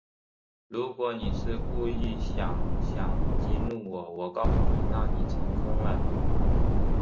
如果你是故意想想激怒我，我告诉你，那你成功了